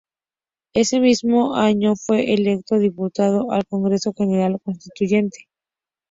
En ese mismo año fue electo diputado al Congreso General Constituyente.